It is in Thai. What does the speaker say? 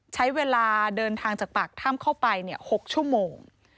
ใช้เวลาเดินทางจากปากถ้ำเข้าไป๖ชั่วโมง